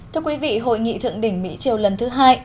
thưa quý vị hội nghị thượng đỉnh mỹ triều lần thứ hai